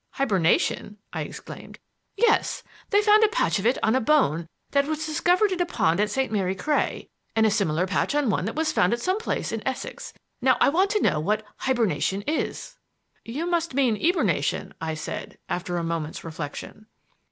"Hibernation!" I exclaimed. "Yes. They found a patch of it on a bone that was discovered in a pond at St. Mary Cray, and a similar patch on one that was found at some other place in Essex. Now, I want to know what 'hibernation' is." "You must mean 'eburnation,'" I said, after a moment's reflection.